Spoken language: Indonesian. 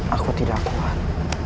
aku tidak kuat